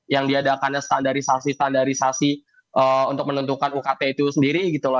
yang diadakannya standarisasi standarisasi untuk menentukan ukt itu sendiri gitu loh